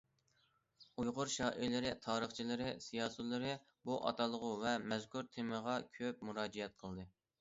ئۇيغۇر شائىرلىرى، تارىخچىلىرى، سىياسىيونلىرى بۇ ئاتالغۇ ۋە مەزكۇر تېمىغا كۆپ مۇراجىئەت قىلدى.